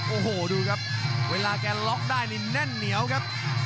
โอ้โหดูครับเวลาแกล็อกได้นี่แน่นเหนียวครับ